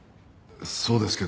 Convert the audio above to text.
そうですけど。